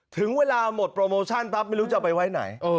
ถึงเวลาหมดโปรโมชั่นปั๊บไม่รู้จะเอาไปไว้ไหน